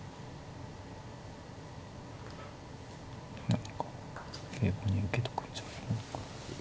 何か桂馬に受けとくんじゃないの？